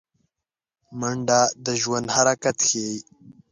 منډه د ژوند حرکت ښيي